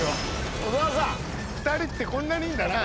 ２人ってこんなにいいんだな。